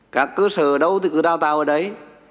các cơ sở ở đâu thì cứ đào tạo ở đấy